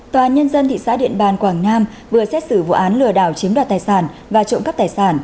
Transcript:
tòa án nhân dân thị xã điện bàn quảng nam vừa xét xử vụ án lừa đảo chiếm đoạt tài sản và trộm cắp tài sản